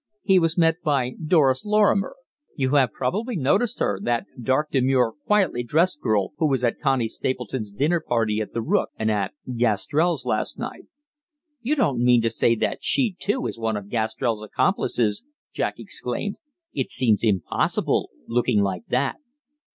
He was met by Doris Lorrimer you have probably noticed her, that dark, demure, quietly dressed girl who was at Connie Stapleton's dinner party at 'The Rook,' and at Gastrell's last night." "You don't mean to say that she, too, is one of Gastrell's accomplices!" Jack exclaimed. "It seems impossible looking like that!"